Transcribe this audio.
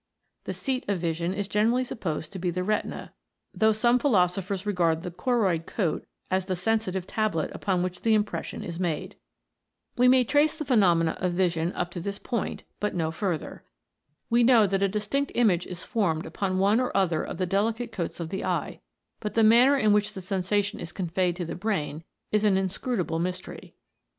The seat of vision is generally supposed to be the retina, though some philosophers regard the choroid coat as the sensitive tablet upon which the impres sion is made. We may trace the phenomena of 106 TWO EYES ARE BETTER THAN ONE. vision up to this point, but no further. We know that a distinct image is formed upon one or other of the delicate coats of the eye, but the mariner in which the sensation is conveyed to the brain is an inscrutable mystery.